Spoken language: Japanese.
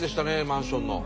マンションの。